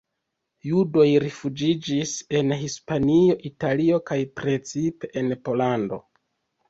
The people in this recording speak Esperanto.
Judoj rifuĝiĝis en Hispanio, Italio kaj precipe en Pollando.